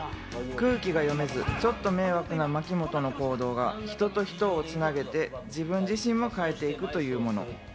空気が読めず、ちょっと迷惑な牧本の行動が人と人をつなげて自分自身も変えていくというもの。